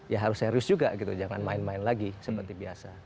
ya harus serius juga gitu jangan main main lagi seperti biasa